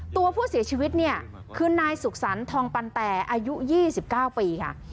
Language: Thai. ตัวผู้เสียชีวิตเนี่ยคือนายสุขสรรค์ทองปันแต่อายุ๒๙ปีค่ะ